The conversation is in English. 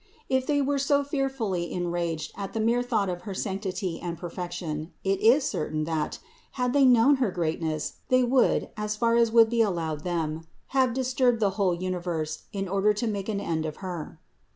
If they were so fearfully enraged at the mere thought of her sanctity and perfection, it is certain, that, had they known her great ness, they would, as far as would be allowed them, have disturbed the whole universe, in order to make an end of Her.